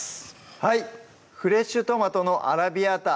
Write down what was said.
はい「フレッシュトマトのアラビアータ」